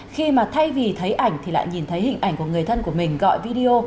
khi mà thay vì thấy ảnh thì lại nhìn thấy hình ảnh của người thân của mình gọi video